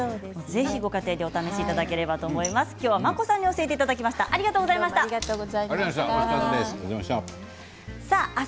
ご家庭でお試しいただければと思います。